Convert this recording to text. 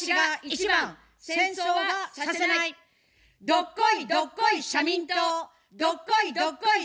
どっこい、どっこい社民党、どっこい、